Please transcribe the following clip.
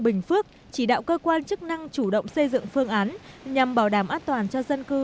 bình phước chỉ đạo cơ quan chức năng chủ động xây dựng phương án nhằm bảo đảm an toàn cho dân cư